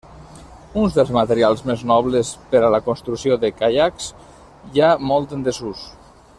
Un dels materials més nobles per a la construcció de caiacs, ja molt en desús.